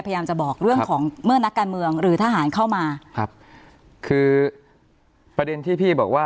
พยายามจะบอกเรื่องของเมื่อนักการเมืองหรือทหารเข้ามาครับคือประเด็นที่พี่บอกว่า